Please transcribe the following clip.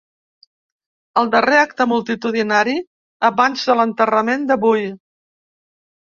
El darrer acte multitudinari abans de l’enterrament d’avui.